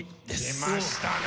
出ましたね。